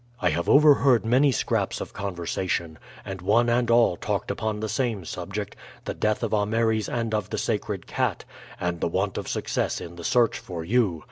I have overheard many scraps of conversation, and one and all talked upon the same subject, the death of Ameres and of the sacred cat, and the want of success in the search for you.